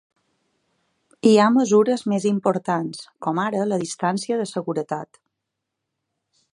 Hi ha mesures més importants, com ara la distància de seguretat.